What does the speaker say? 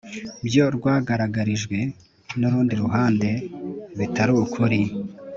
byo rwagaragarijwe n urundi ruhande bitari ukuri